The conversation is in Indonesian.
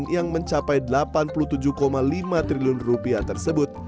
yang mencapai rp delapan puluh tujuh lima triliun tersebut